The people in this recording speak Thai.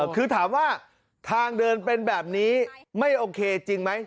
คือถามว่าทางเดินเป็นแบบนี้ไม่โอเคจริงไหม